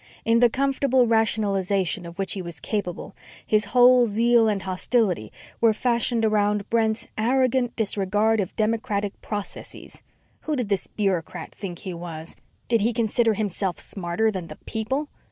In the comfortable rationalization of which he was capable, his whole zeal and hostility were fashioned around Brent's "arrogant disregard of democratic processes." Who did this bureaucrat think he was? Did he consider himself smarter than the People?